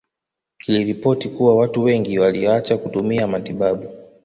Kiliripoti kuwa watu wengi walioacha kutumia matibabu